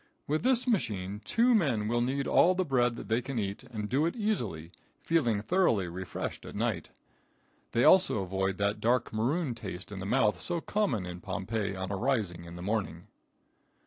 With this machine two men will knead all the bread they can eat and do it easily, feeling thoroughly refreshed at night. They also avoid that dark maroon taste in the mouth so common in Pompeii on arising in the morning.